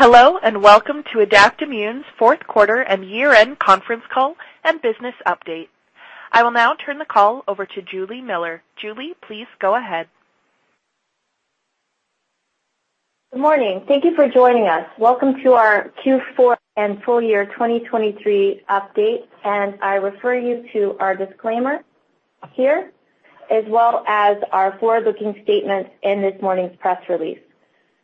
Hello and welcome to Adaptimmune's Q4 and year-end conference call and business update. I will now turn the call over to Juli Miller. Juli, please go ahead. Good morning. Thank you for joining us. Welcome to our Q4 and full year 2023 update, and I refer you to our disclaimer here as well as our forward-looking statements in this morning's press release.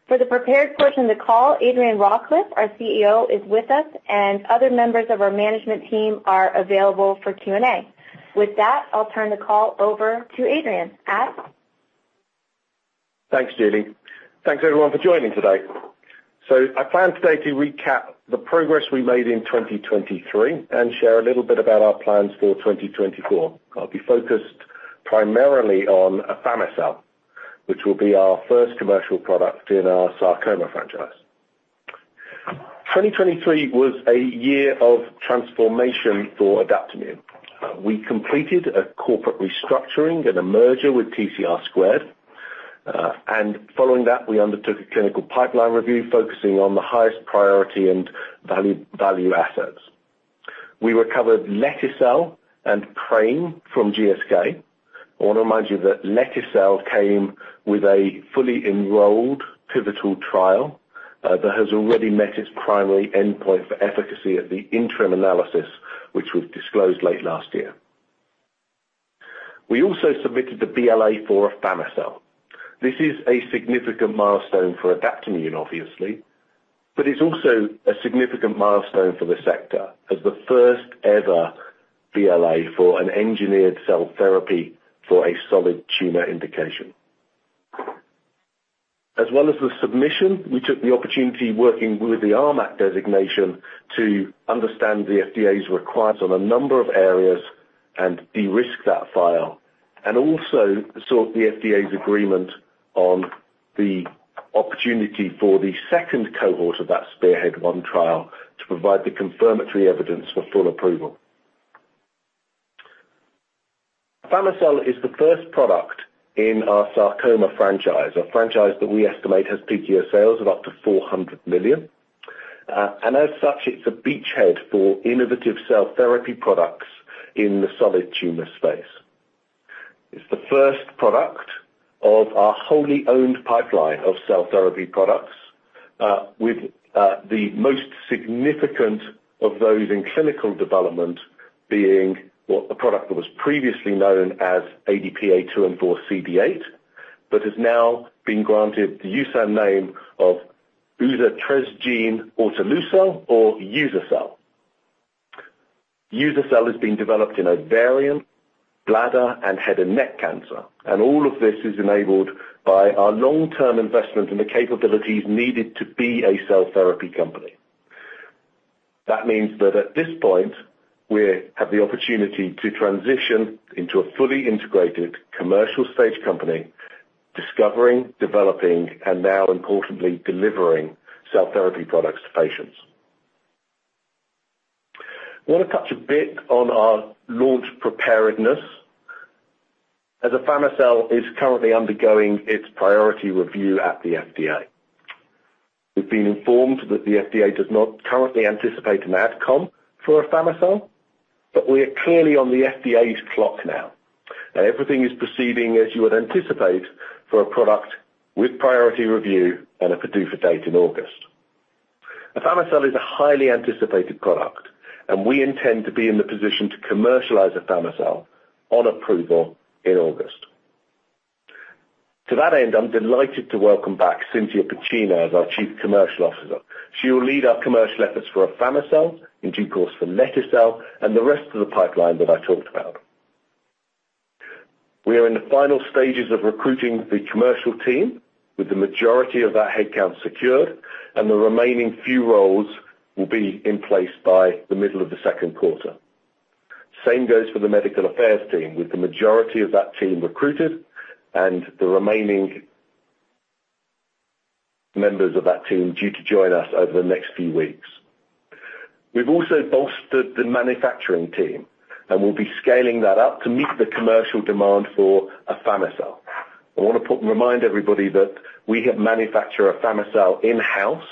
For the prepared portion of the call, Adrian Rawcliffe, our CEO, is with us, and other members of our management team are available for Q&A. With that, I'll turn the call over to Adrian. Thanks, Juli. Thanks, everyone, for joining today. So I plan today to recap the progress we made in 2023 and share a little bit about our plans for 2024. I'll be focused primarily on afami-cel, which will be our first commercial product in our sarcoma franchise. 2023 was a year of transformation for Adaptimmune. We completed a corporate restructuring and a merger with TCR2, and following that, we undertook a clinical pipeline review focusing on the highest priority and value assets. We recovered lete-cel and PRAME from GSK. I want to remind you that lete-cel came with a fully enrolled pivotal trial that has already met its primary endpoint for efficacy at the interim analysis, which was disclosed late last year. We also submitted the BLA for afami-cel. This is a significant milestone for Adaptimmune, obviously, but it's also a significant milestone for the sector as the first-ever BLA for an engineered cell therapy for a solid tumor indication. As well as the submission, we took the opportunity working with the RMAT designation to understand the FDA's requirements on a number of areas and de-risk that file, and also sought the FDA's agreement on the opportunity for the second cohort of that SPEARHEAD-1 trial to provide the confirmatory evidence for full approval. afami-cel is the first product in our Sarcoma franchise, a franchise that we estimate has peak year sales of up to $400 million, and as such, it's a beachhead for innovative cell therapy products in the solid tumor space. It's the first product of our wholly owned pipeline of cell therapy products, with the most significant of those in clinical development being a product that was previously known as ADP-A2M4CD8 but has now been granted the USAN name of uzaisamtesgene autoleucel or uza-cel. uza-cel has been developed in ovarian, bladder, and head and neck cancer, and all of this is enabled by our long-term investment in the capabilities needed to be a cell therapy company. That means that at this point, we have the opportunity to transition into a fully integrated commercial-stage company, discovering, developing, and now, importantly, delivering cell therapy products to patients. I want to touch a bit on our launch preparedness as afami-cel is currently undergoing its priority review at the FDA. We've been informed that the FDA does not currently anticipate an AdCom for afami-cel, but we are clearly on the FDA's clock now, and everything is proceeding as you would anticipate for a product with priority review and a PDUFA date in August. afami-cel is a highly anticipated product, and we intend to be in the position to commercialize afami-cel on approval in August. To that end, I'm delighted to welcome back Cintia Piccina as our Chief Commercial Officer. She will lead our commercial efforts for afami-cel, in due course, for lete-cel, and the rest of the pipeline that I talked about. We are in the final stages of recruiting the commercial team, with the majority of that headcount secured, and the remaining few roles will be in place by the middle of the Q2. Same goes for the medical affairs team, with the majority of that team recruited and the remaining members of that team due to join us over the next few weeks. We've also bolstered the manufacturing team and will be scaling that up to meet the commercial demand for afami-cel. I want to remind everybody that we manufacture afami-cel in-house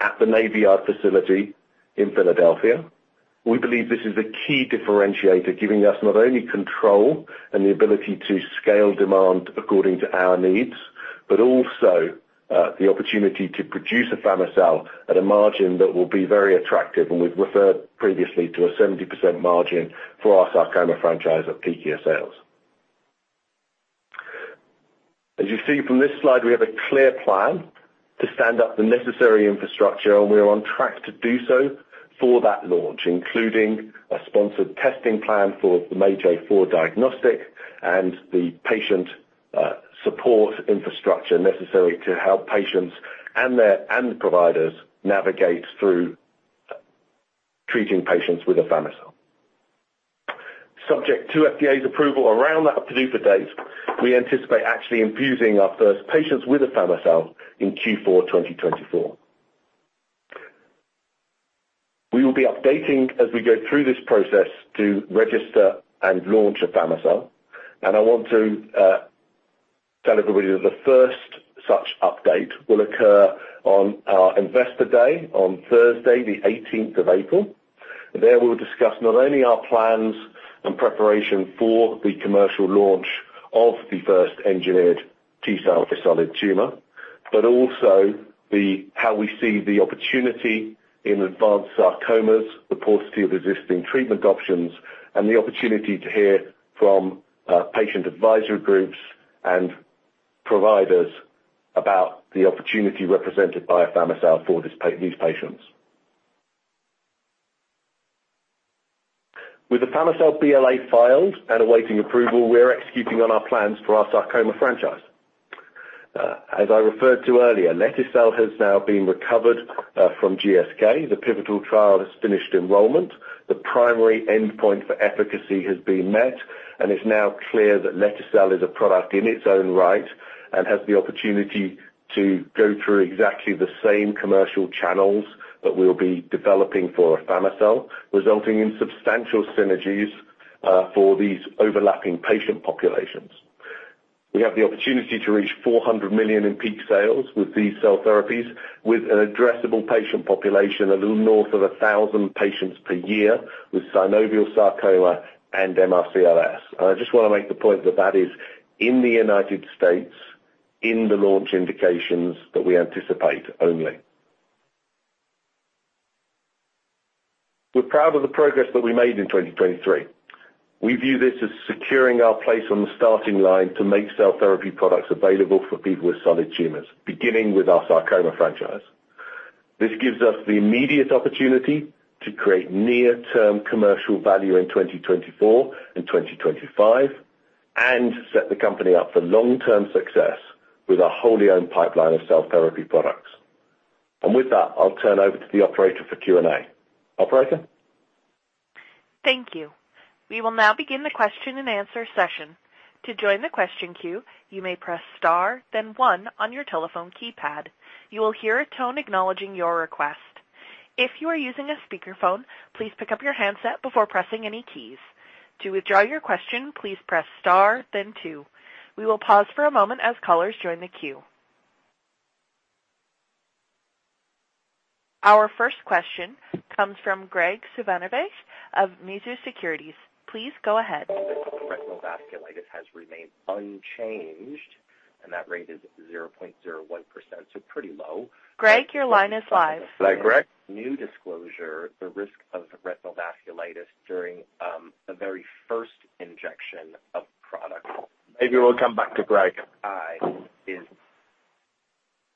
at the Navy Yard facility in Philadelphia. We believe this is a key differentiator, giving us not only control and the ability to scale demand according to our needs but also the opportunity to produce afami-cel at a margin that will be very attractive, and we've referred previously to a 70% margin for our sarcoma franchise at PGS sales. As you see from this slide, we have a clear plan to stand up the necessary infrastructure, and we are on track to do so for that launch, including a sponsored testing plan for the MAGE-A4 diagnostic and the patient support infrastructure necessary to help patients and providers navigate through treating patients with afami-cel. Subject to FDA's approval around that PDUFA date, we anticipate actually infusing our first patients with afami-cel in Q4 2024. We will be updating as we go through this process to register and launch afami-cel, and I want to tell everybody that the first such update will occur on our investor day on Thursday, the 18th of April. There we'll discuss not only our plans and preparation for the commercial launch of the first engineered T-cell to solid tumor but also how we see the opportunity in advanced sarcomas, the paucity of existing treatment options, and the opportunity to hear from patient advisory groups and providers about the opportunity represented by afami-cel for these patients. With the afami-cel BLA filed and awaiting approval, we are executing on our plans for our Sarcoma franchise. As I referred to earlier, lete-cel has now been recovered from GSK. The pivotal trial has finished enrollment. The primary endpoint for efficacy has been met, and it's now clear that lete-cel is a product in its own right and has the opportunity to go through exactly the same commercial channels that we'll be developing for afami-cel, resulting in substantial synergies for these overlapping patient populations. We have the opportunity to reach $400 million in peak sales with these cell therapies, with an addressable patient population a little north of 1,000 patients per year with synovial sarcoma and MRCLS. I just want to make the point that that is in the United States, in the launch indications that we anticipate only. We're proud of the progress that we made in 2023. We view this as securing our place on the starting line to make cell therapy products available for people with solid tumors, beginning with our sarcoma franchise. This gives us the immediate opportunity to create near-term commercial value in 2024 and 2025 and set the company up for long-term success with a wholly owned pipeline of cell therapy products. With that, I'll turn over to the operator for Q&A. Operator? Thank you. We will now begin the question-and-answer session. To join the question queue, you may press star, then one, on your telephone keypad. You will hear a tone acknowledging your request. If you are using a speakerphone, please pick up your handset before pressing any keys. To withdraw your question, please press star, then two. We will pause for a moment as callers join the queue. Our first question comes from Graig Suvannavejh of Mizuho Securities. Please go ahead. The risk of retinal vasculitis has remained unchanged, and that rate is 0.01%, so pretty low. Graig, your line is live. Hi, Graig. New disclosure, the risk of retinal vasculitis during the very first injection of product. Maybe we'll come back to Graig. Hi.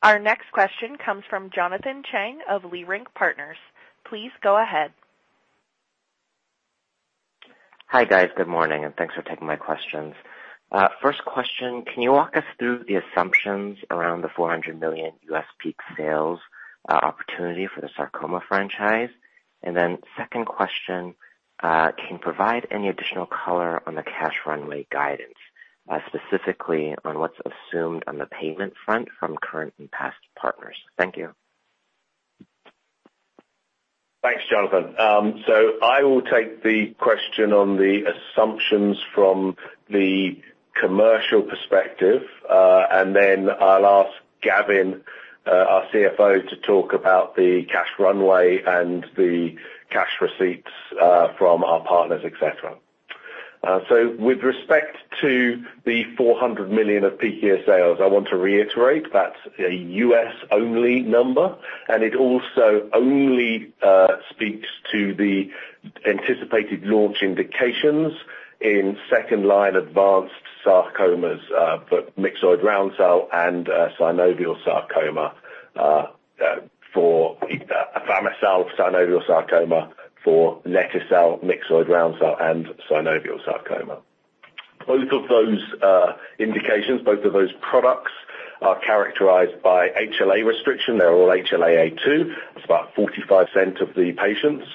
Our next question comes from Jonathan Chang of Leerink Partners. Please go ahead. Hi guys. Good morning, and thanks for taking my questions. First question, can you walk us through the assumptions around the $400 million U.S. peak sales opportunity for the Sarcoma franchise? And then second question, can you provide any additional color on the cash runway guidance, specifically on what's assumed on the payment front from current and past partners? Thank you. Thanks, Jonathan. So I will take the question on the assumptions from the commercial perspective, and then I'll ask Gavin, our CFO, to talk about the cash runway and the cash receipts from our partners, etc. So with respect to the $400 million of PGS sales, I want to reiterate that's a U.S.-only number, and it also only speaks to the anticipated launch indications in second-line advanced sarcomas, the myxoid round cell and synovial sarcoma for afami-cel, synovial sarcoma for lete-cel, myxoid round cell, and synovial sarcoma. Both of those indications, both of those products, are characterized by HLA restriction. They're all HLA-A*02. It's about 45% of the patients,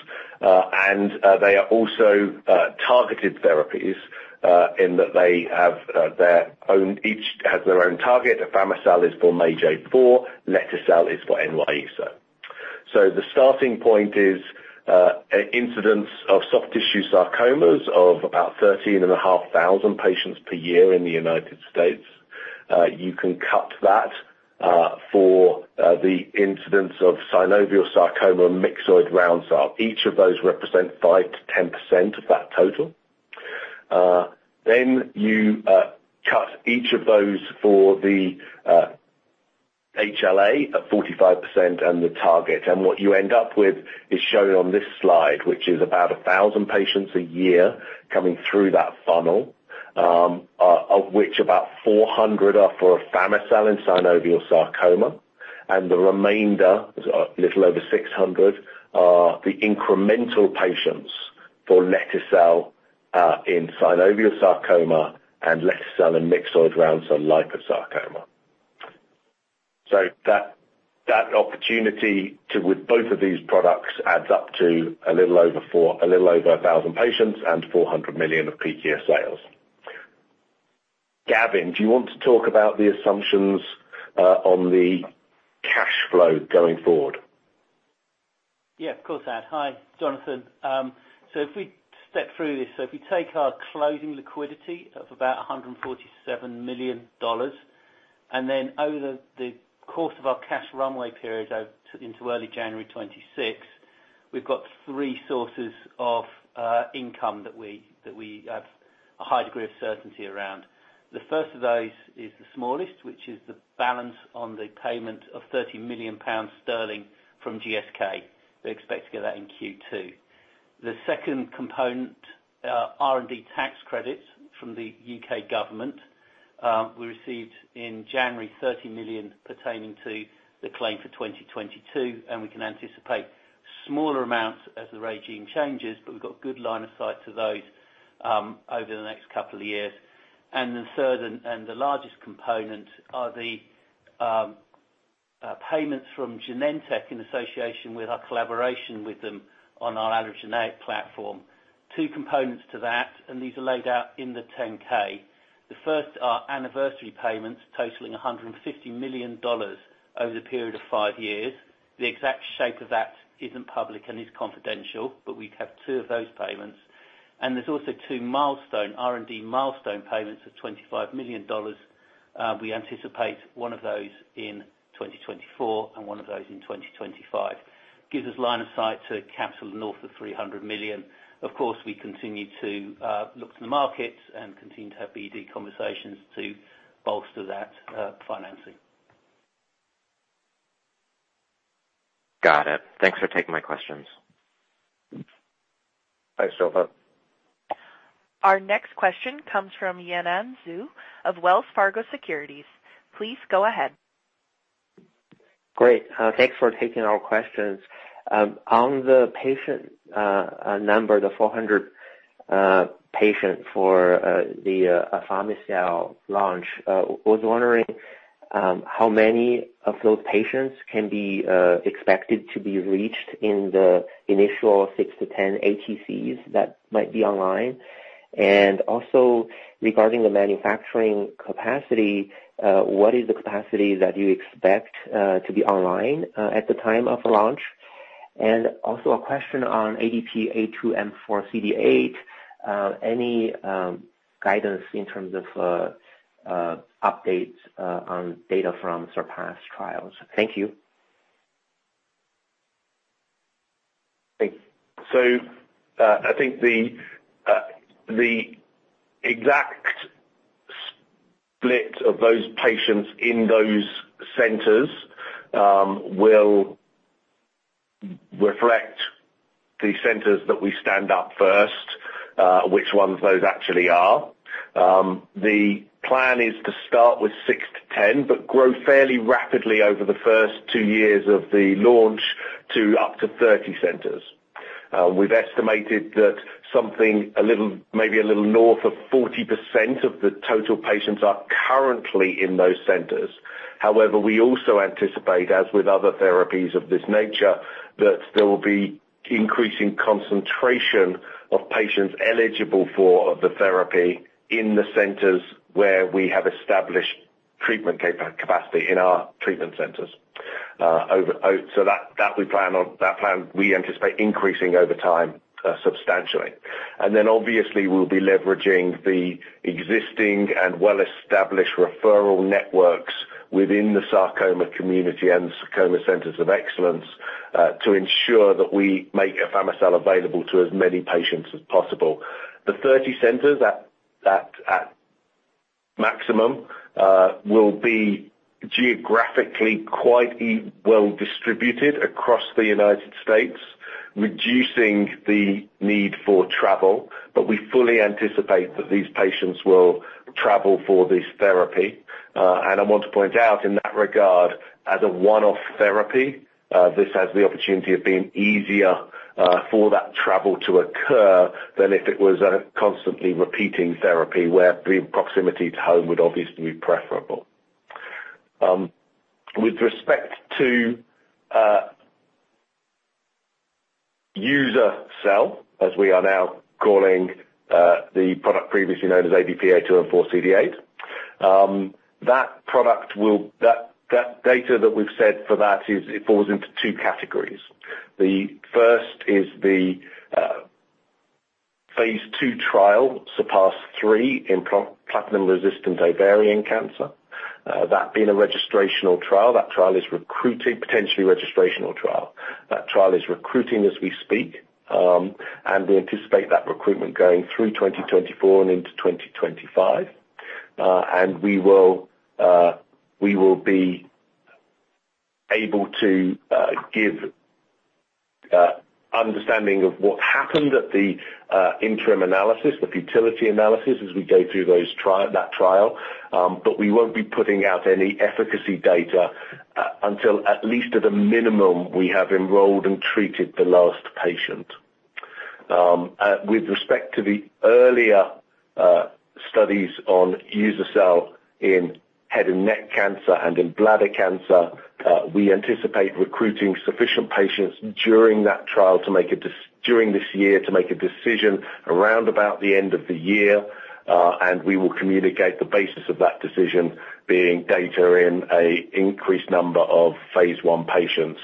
and they are also targeted therapies in that they have their own each has their own target. afami-cel is for MAGE-A4. lete-cel is for NY-ESO-1. The starting point is incidence of soft tissue sarcomas of about 13,500 patients per year in the United States. You can cut that for the incidence of synovial sarcoma and myxoid round cell. Each of those represents 5%-10% of that total. Then you cut each of those for the HLA at 45% and the target. And what you end up with is shown on this slide, which is about 1,000 patients a year coming through that funnel, of which about 400 are for afami-cel and synovial sarcoma, and the remainder, a little over 600, are the incremental patients for lete-cel in synovial sarcoma and lete-cel in myxoid round cell liposarcoma. That opportunity with both of these products adds up to a little over 1,000 patients and $400 million of PGS sales. Gavin, do you want to talk about the assumptions on the cash flow going forward? Yeah, of course, Adrian. Hi, Jonathan. So if we step through this, if we take our closing liquidity of about $147 million and then over the course of our cash runway period into early January 2026, we've got three sources of income that we have a high degree of certainty around. The first of those is the smallest, which is the balance on the payment of 30 million sterling from GSK. We expect to get that in Q2. The second component, R&D tax credits from the UK government. We received in January 30 million pertaining to the claim for 2022, and we can anticipate smaller amounts as the regime changes, but we've got a good line of sight to those over the next couple of years. And the third and the largest component are the payments from Genentech in association with our collaboration with them on our allogeneic platform. Two components to that, and these are laid out in the 10-K. The first are anniversary payments totaling $150 million over the period of five years. The exact shape of that isn't public and is confidential, but we have two of those payments. There's also two R&D milestone payments of $25 million. We anticipate one of those in 2024 and one of those in 2025. It gives us line of sight to a capital north of $300 million. Of course, we continue to look to the markets and continue to have BD conversations to bolster that financing. Got it. Thanks for taking my questions. Thanks, Jonathan. Our next question comes from Yanan Zhu of Wells Fargo Securities. Please go ahead. Great. Thanks for taking our questions. On the patient number, the 400 patients for the afami-cel launch, I was wondering how many of those patients can be expected to be reached in the initial 6-10 ATCs that might be online. And also, regarding the manufacturing capacity, what is the capacity that you expect to be online at the time of launch? And also a question on ADP-A2M4CD8. Any guidance in terms of updates on data from SURPASS trials? Thank you. Thanks. So I think the exact split of those patients in those centers will reflect the centers that we stand up first, which ones those actually are. The plan is to start with 6-10 but grow fairly rapidly over the first two years of the launch to up to 30 centers. We've estimated that maybe a little north of 40% of the total patients are currently in those centers. However, we also anticipate, as with other therapies of this nature, that there will be increasing concentration of patients eligible for the therapy in the centers where we have established treatment capacity, in our treatment centers. So that we plan on that plan, we anticipate increasing over time substantially. And then obviously, we'll be leveraging the existing and well-established referral networks within the sarcoma community and sarcoma centers of excellence to ensure that we make afami-cel available to as many patients as possible. The 30 centers, at maximum, will be geographically quite well-distributed across the United States, reducing the need for travel, but we fully anticipate that these patients will travel for this therapy. And I want to point out, in that regard, as a one-off therapy, this has the opportunity of being easier for that travel to occur than if it was a constantly repeating therapy where the proximity to home would obviously be preferable. With respect to uza-cel, as we are now calling the product previously known as ADP-A2M4CD8, that data that we've said for that falls into two categories. The first is the phase 2 trial, SURPASS-3, in platinum-resistant ovarian cancer. That being a registrational trial, that trial is recruiting potentially registrational trial. That trial is recruiting as we speak, and we anticipate that recruitment going through 2024 and into 2025. We will be able to give an understanding of what happened at the interim analysis, the futility analysis, as we go through that trial. But we won't be putting out any efficacy data until at least at a minimum, we have enrolled and treated the last patient. With respect to the earlier studies on uza-cel in head and neck cancer and in bladder cancer, we anticipate recruiting sufficient patients during that trial to make a decision during this year to make a decision around about the end of the year, and we will communicate the basis of that decision being data in an increased number of phase one patients,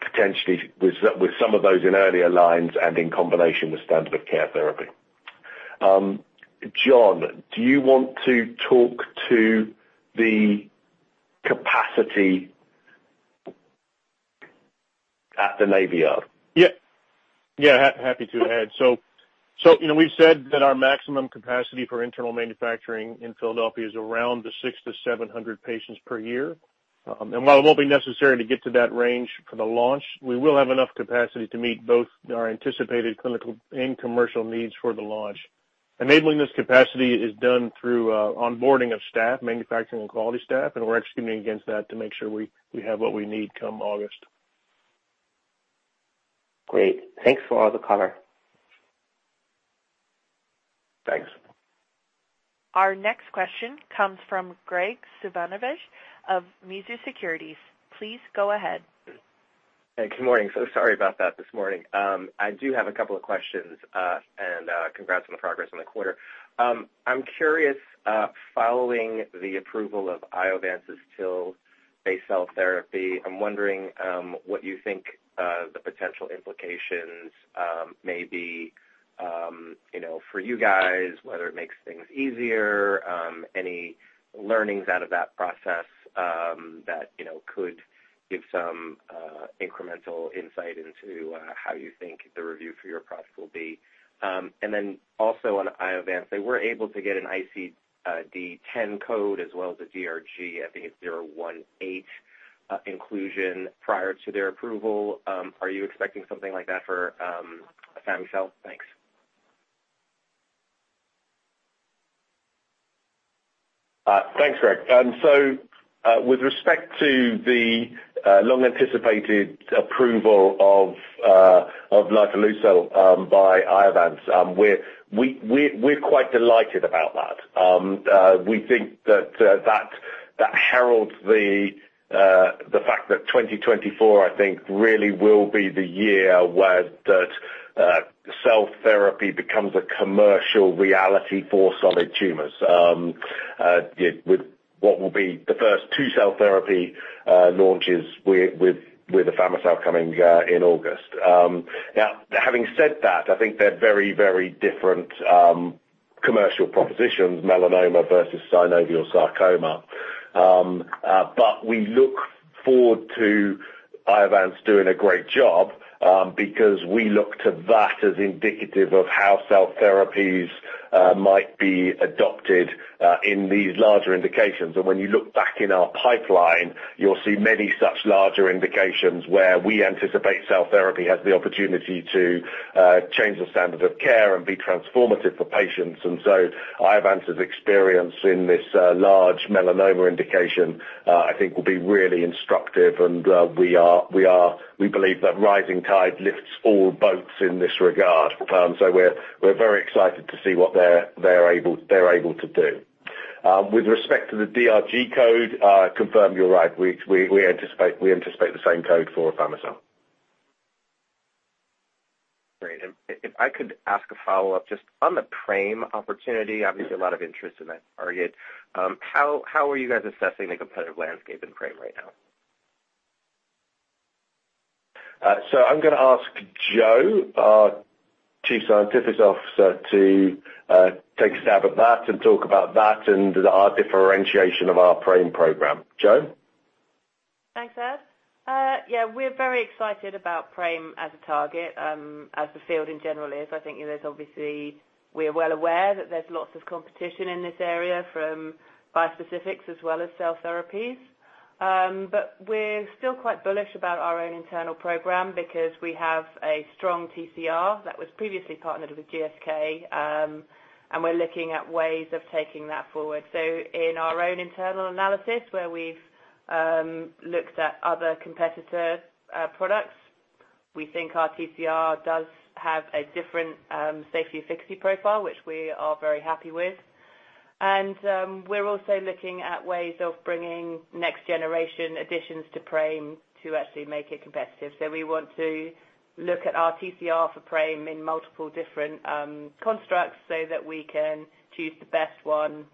potentially with some of those in earlier lines and in combination with standard of care therapy. John, do you want to talk about the capacity at The Navy Yard? Yeah. Yeah, happy to, Ad. So we've said that our maximum capacity for internal manufacturing in Philadelphia is around the 600-700 patients per year. And while it won't be necessary to get to that range for the launch, we will have enough capacity to meet both our anticipated clinical and commercial needs for the launch. Enabling this capacity is done through onboarding of staff, manufacturing and quality staff, and we're executing against that to make sure we have what we need come August. Great. Thanks for all the cover. Thanks. Our next question comes from Graig Suvannavejh of Mizuho Securities. Please go ahead. Hey, good morning. So sorry about that this morning. I do have a couple of questions, and congrats on the progress on the quarter. I'm curious, following the approval of Iovance's TIL-based cell therapy, I'm wondering what you think the potential implications may be for you guys, whether it makes things easier, any learnings out of that process that could give some incremental insight into how you think the review for your product will be. And then also on Iovance, they were able to get an ICD-10 code as well as a DRG, I think it's 018, inclusion prior to their approval. Are you expecting something like that for afami-cel? Thanks. Thanks, Graig. And so with respect to the long-anticipated approval of Amtagvi by Iovance, we're quite delighted about that. We think that that heralds the fact that 2024, I think, really will be the year where cell therapy becomes a commercial reality for solid tumors with what will be the first two cell therapy launches with the afami-cel coming in August. Now, having said that, I think they're very, very different commercial propositions, melanoma versus synovial sarcoma. But we look forward to Iovance doing a great job because we look to that as indicative of how cell therapies might be adopted in these larger indications. And when you look back in our pipeline, you'll see many such larger indications where we anticipate cell therapy has the opportunity to change the standard of care and be transformative for patients. And so Iovance's experience in this large melanoma indication, I think, will be really instructive, and we believe that rising tide lifts all boats in this regard. So we're very excited to see what they're able to do. With respect to the DRG code, confirm you're right. We anticipate the same code for afami-cel. Great. And if I could ask a follow-up just on the PRAME opportunity, obviously, a lot of interest in that, target. How are you guys assessing the competitive landscape in PRAME right now? I'm going to ask Jo, our Chief Scientific Officer, to take a stab at that and talk about that and our differentiation of our PRAME program. Jo? Thanks, Adrian. Yeah, we're very excited about PRAME as a target, as the field in general is. I think there's obviously we're well aware that there's lots of competition in this area from bispecifics as well as cell therapies. But we're still quite bullish about our own internal program because we have a strong TCR that was previously partnered with GSK, and we're looking at ways of taking that forward. So in our own internal analysis, where we've looked at other competitor products, we think our TCR does have a different safety efficacy profile, which we are very happy with. And we're also looking at ways of bringing next-generation additions to PRAME to actually make it competitive. So we want to look at our TCR for PRAME in multiple different constructs so that we can choose the best one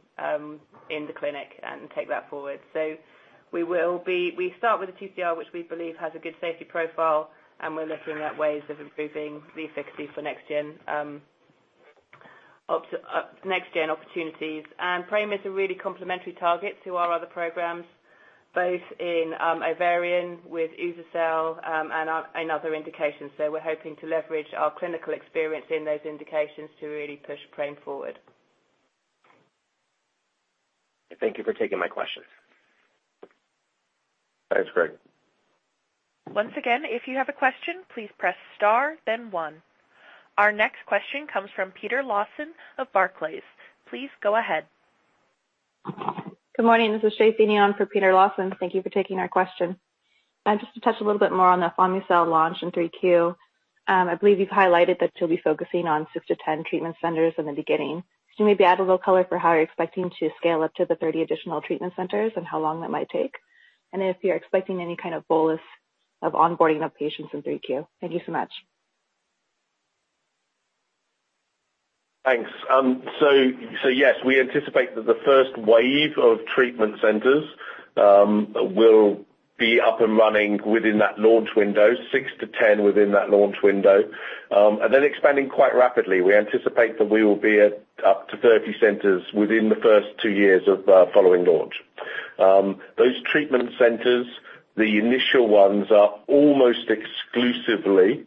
in the clinic and take that forward. So we start with a TCR which we believe has a good safety profile, and we're looking at ways of improving the efficacy for next-gen opportunities. PRAME is a really complementary target to our other programs, both in ovarian with uza-cel and another indication. So we're hoping to leverage our clinical experience in those indications to really push PRAME forward. Thank you for taking my questions. Thanks, Graig. Once again, if you have a question, please press star, then one. Our next question comes from Peter Lawson of Barclays. Please go ahead. Good morning. This is Shea Feeney for Peter Lawson. Thank you for taking our question. Just to touch a little bit more on the afami-cel launch in 3Q, I believe you've highlighted that you'll be focusing on 6-10 treatment centers in the beginning. Could you maybe add a little color for how you're expecting to scale up to the 30 additional treatment centers and how long that might take? And if you're expecting any kind of bolus of onboarding of patients in 3Q? Thank you so much. Thanks. So yes, we anticipate that the first wave of treatment centers will be up and running within that launch window, 6-10 within that launch window, and then expanding quite rapidly. We anticipate that we will be at up to 30 centers within the first two years of following launch. Those treatment centers, the initial ones, are almost exclusively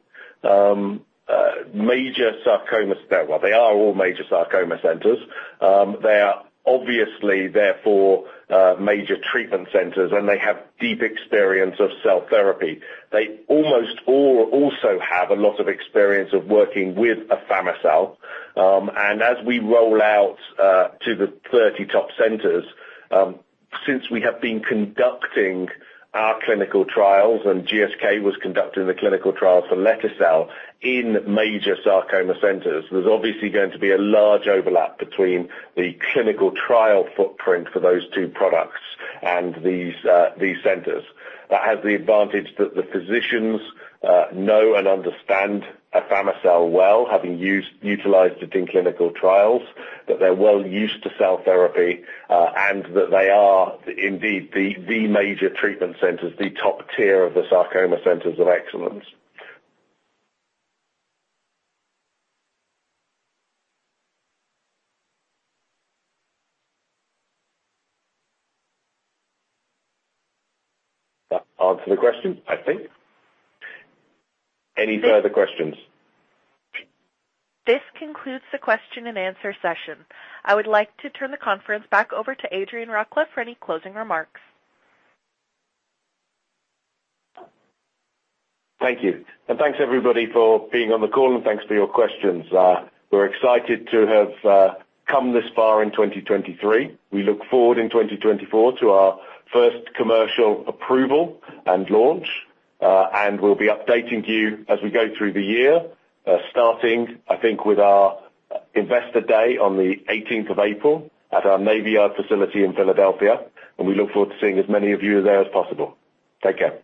major sarcoma well, they are all major sarcoma centers. They are obviously, therefore, major treatment centers, and they have deep experience of cell therapy. They almost all also have a lot of experience of working with afami-cel. And as we roll out to the 30 top centers, since we have been conducting our clinical trials and GSK was conducting the clinical trial for lete-cel in major sarcoma centers, there's obviously going to be a large overlap between the clinical trial footprint for those two products and these centers. That has the advantage that the physicians know and understand afami-cel well, having utilized it in clinical trials, that they're well used to cell therapy, and that they are indeed the major treatment centers, the top tier of the sarcoma centers of excellence. That answered the question, I think. Any further questions? This concludes the question-and-answer session. I would like to turn the conference back over to Adrian Rawcliffe for any closing remarks. Thank you. Thanks, everybody, for being on the call, and thanks for your questions. We're excited to have come this far in 2023. We look forward in 2024 to our first commercial approval and launch, and we'll be updating you as we go through the year, starting, I think, with our investor day on the 18th of April at our Navy Yard facility in Philadelphia. We look forward to seeing as many of you there as possible. Take care.